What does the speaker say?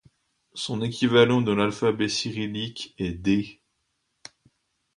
Son équivalent dans l'alphabet cyrillique est Д.